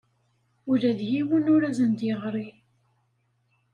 Ula d yiwen ur asen-d-yeɣri.